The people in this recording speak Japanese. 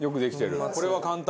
これは簡単。